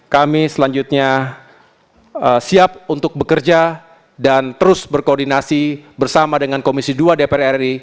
kami selanjutnya siap untuk bekerja dan terus berkoordinasi bersama dengan komisi dua dpr ri